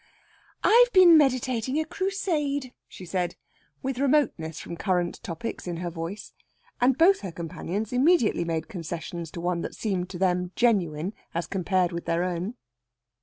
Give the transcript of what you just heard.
"I've been meditating a Crusade," she said, with remoteness from current topics in her voice. And both her companions immediately made concessions to one that seemed to them genuine as compared with their own.